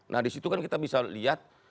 nah disitu kan kita bisa lihat